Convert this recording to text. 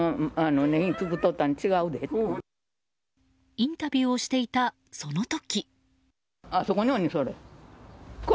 インタビューをしていたその時。